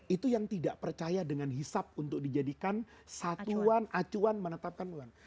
itu yang tidak percaya dengan hisap untuk dijadikan satuan acuan menetapkan wuhan